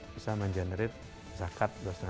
bisa mengenerate zakat